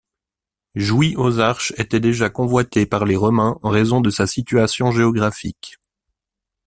Jouy-aux-Arches était déjà convoitée par les Romains en raison de sa situation géographique.